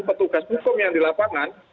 petugas hukum yang dilapangan